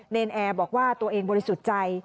นแอร์บอกว่าตัวเองบริสุทธิ์ใจ